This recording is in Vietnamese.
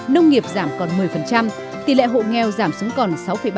nông nghiệp giảm còn một mươi tỷ lệ hộ nghèo giảm xuống còn sáu ba